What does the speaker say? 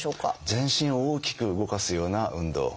全身を大きく動かすような運動。